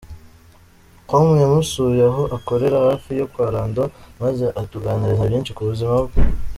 com yamusuye aho akorera hafi yo kwa Lando maze atuganiriza byinshi ku buzima bwe.